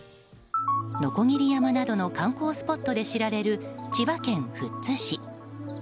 鋸山などの観光スポットで知られる千葉県富津市。